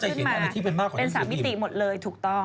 เราก็จะเห็นแบบนั้นที่เป็นมากของนางสินกีมาเป็น๓มิติหมดเลยถูกต้อง